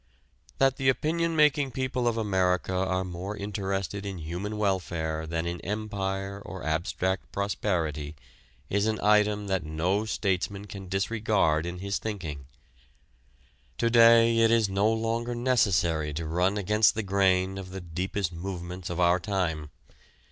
That the opinion making people of America are more interested in human welfare than in empire or abstract prosperity is an item that no statesman can disregard in his thinking. To day it is no longer necessary to run against the grain of the deepest movements of our time.